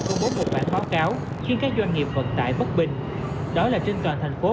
công bố một bản báo cáo khiến các doanh nghiệp vận tải bất bình đó là trên toàn thành phố